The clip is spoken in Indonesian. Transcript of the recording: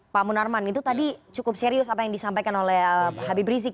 pak munarman itu tadi cukup serius apa yang disampaikan oleh habib rizik